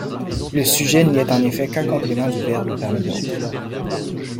Le sujet n'y est en effet qu'un complément du verbe parmi d'autres.